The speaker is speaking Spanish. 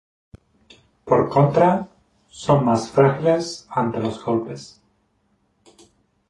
Por contra son más frágiles ante los golpes.